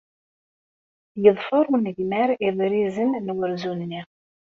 Yeḍfer unegmar idrizen n wursu-nni.